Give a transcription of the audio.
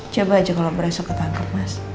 coba aja kalau merasa ketangkep mas